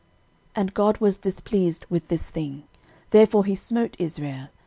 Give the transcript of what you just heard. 13:021:007 And God was displeased with this thing; therefore he smote Israel.